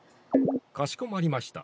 かしこまりました。